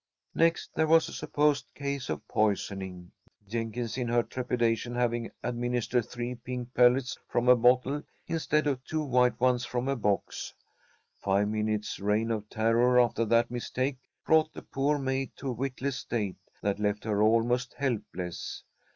Next there was a supposed case of poisoning, Jenkins in her trepidation having administered three pink pellets from a bottle instead of two white ones from a box. Five minutes' reign of terror after that mistake brought the poor maid to a witless state that left her almost helpless.